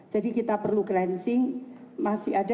jadi kita perlu cleansing masih ada